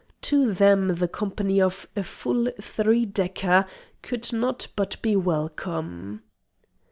To them the company of a full three decker could not but be welcome.